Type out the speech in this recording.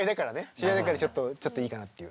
知り合いだからちょっといいかなっていう。